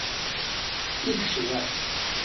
I yecbeḥ!